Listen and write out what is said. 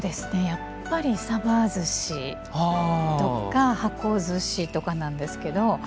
やっぱりさばずしとか箱ずしとかなんですけど。